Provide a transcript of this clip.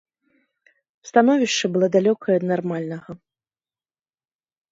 Становішча было далёкае ад нармальнага.